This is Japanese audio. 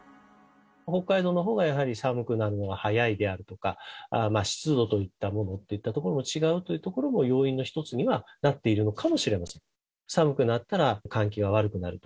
北海道のほうがやはり寒くなるのが早いであるとか、湿度といったものっていったところも、違うというところも、要因の一つにはなっているのかもしれないと。